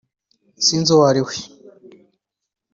sinzi uwo ari we